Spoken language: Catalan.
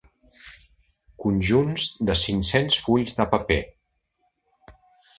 Conjunts de cinc-cents fulls de paper.